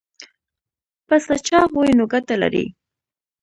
پسه چاغ وي نو ګټه لري.